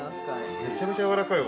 ◆めちゃめちゃやわらかいわ。